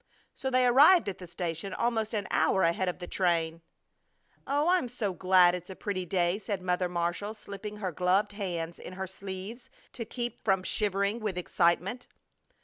So they arrived at the station almost an hour ahead of the train. "Oh, I'm so glad it's a pretty day!" said Mother Marshall, slipping her gloved hands in her sleeves to keep from shivering with excitement.